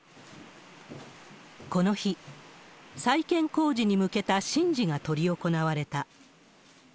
この日、再建工事に向けた神事が執り行われた。